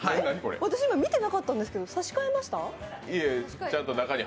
私、見てなかったんですけど差し替えました？